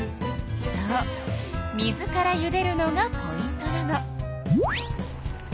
そう水からゆでるのがポイントなの。